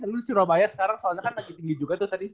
dulu surabaya sekarang soalnya kan lagi tinggi juga tuh tadi